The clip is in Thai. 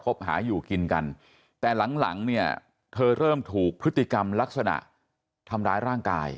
หาอยู่กินกันแต่หลังหลังเนี่ยเธอเริ่มถูกพฤติกรรมลักษณะทำร้ายร่างกาย